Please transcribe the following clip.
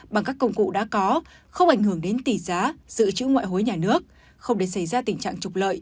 bằng các công cụ đã có không ảnh hưởng đến tỷ giá dự trữ ngoại hối nhà nước không để xảy ra tình trạng trục lợi